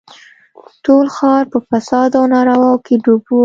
ټول ښار په فساد او نارواوو کښې ډوب و.